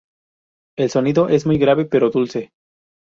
El sonido es muy grave pero dulce.